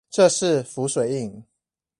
這是浮水印